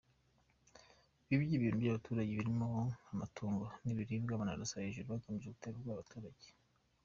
Bibye ibintu by’abaturage birimo amatungo n’ibiribwa, banarasa hejuru bagamije gutera ubwoba abaturage.